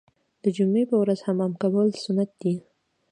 د جمعې په ورځ حمام کول سنت دي.